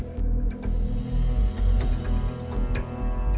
หรอครับ